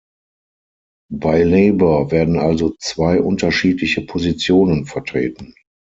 Bei Labour werden also zwei unterschiedliche Positionen vertreten.